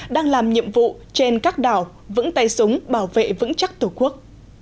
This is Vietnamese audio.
đang làm nhiệm vụ trên các đảo vững tay súng bảo vệ vững chắc tổ quốc